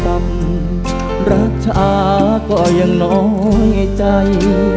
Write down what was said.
และรักษาก็ยังน้อยใจ